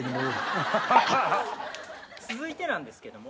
続いてなんですけども。